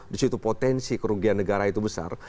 disitu potensi kerugian negara itu besar